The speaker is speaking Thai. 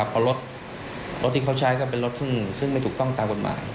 เพราะรถที่เขาใช้ก็เป็นรถซึ่งไม่ถูกต้องตามกฎหมาย